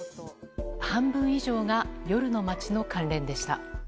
半分以上が夜の街の関連でした。